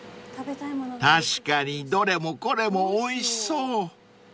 ［確かにどれもこれもおいしそう］